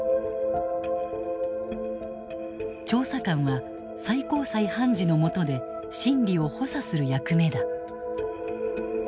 調査官は最高裁判事のもとで審理を補佐する役目だ。